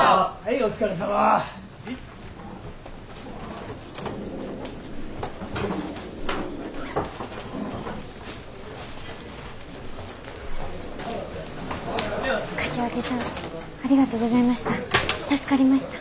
柏木さんありがとうございました。